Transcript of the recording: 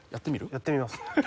やってみます。